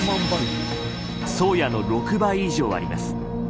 「宗谷」の６倍以上あります。